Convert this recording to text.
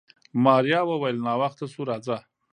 ماريا وويل ناوخته شو راځه.